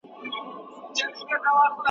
توليدي وسايل په ټولنه کي بيکاري له منځه وړي.